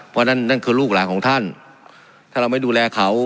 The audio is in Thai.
เพราะนั่นนั่นคือลูกหลานของท่านถ้าเราไม่ดูแลเขา